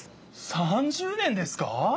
３０年ですか！？